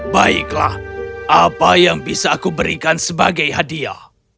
baiklah apa yang bisa aku berikan sebagai hadiah